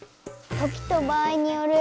時と場合による。